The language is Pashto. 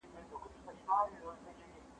زه سينه سپين کړی دی.